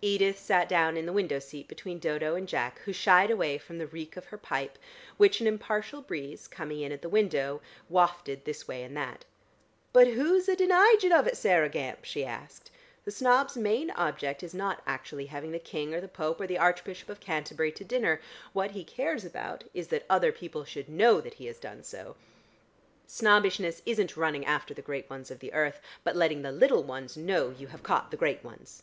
Edith sat down in the window seat between Dodo and Jack, who shied away from the reek of her pipe, which an impartial breeze, coming in at the window, wafted this way and that. "But who's a deniging of it, Saireh Gamp?" she asked. "The snob's main object is not actually having the King or the Pope or the Archbishop of Canterbury to dinner; what he cares about is that other people should know that he has done so. Snobbishness isn't running after the great ones of the earth, but letting the little ones know you have caught the great ones."